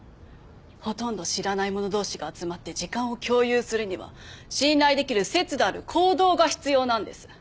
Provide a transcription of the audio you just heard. ほとんど知らない者同士が集まって時間を共有するには信頼できる節度ある行動が必要なんです。